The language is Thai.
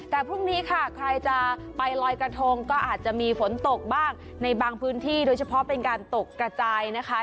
แต่พรุ่งนี้ค่ะใครจะไปลอยกระทงก็อาจจะมีฝนตกบ้างในบางพื้นที่โดยเฉพาะเป็นการตกกระจายนะคะ